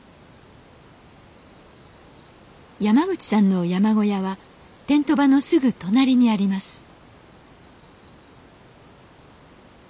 山口さんの山小屋はテント場のすぐ隣にあります